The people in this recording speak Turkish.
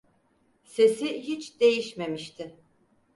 Sesi hiç değişmemişti.